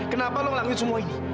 kenapa lu ngelakuin semua ini